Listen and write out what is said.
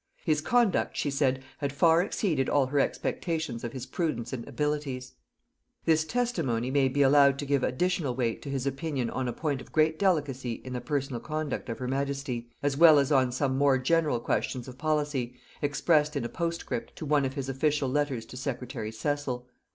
His conduct, she said, had far exceeded all her expectations of his prudence and abilities. This testimony may be allowed to give additional weight to his opinion on a point of great delicacy in the personal conduct of her majesty, as well as on some more general questions of policy, expressed in a postscript to one of his official letters to secretary Cecil.